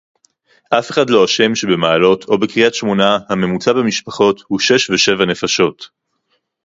אף אחד לא אשם שבמעלות או בקריית-שמונה הממוצע במשפחות הוא שש ושבע נפשות